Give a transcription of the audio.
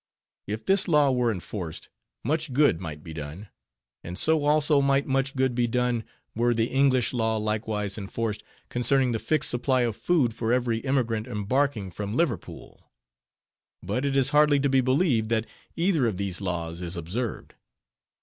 If this law were enforced, much good might be done; and so also might much good be done, were the English law likewise enforced, concerning the fixed supply of food for every emigrant embarking from Liverpool. But it is hardly to be believed, that either of these laws is observed.